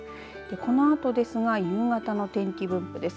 このあとですが夕方の天気分布です。